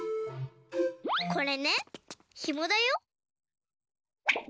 これねひもだよ。